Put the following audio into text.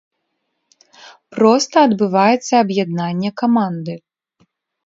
Проста адбываецца аб'яднанне каманды.